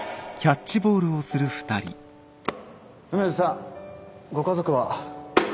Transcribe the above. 梅津さんご家族は？